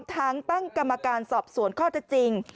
มีทางตั้งกรรมการสอบสวนข้อจะจริง